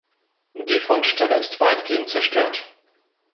Die Fundstelle ist weitgehend zerstört.